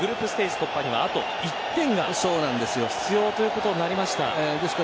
突破にはあと１点が必要ということになりました。